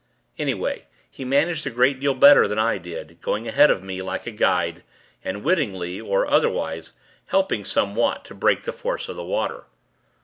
Anyway, he managed a great deal better than I did; going ahead of me, like a guide, and wittingly or otherwise helping, somewhat, to break the force of the water.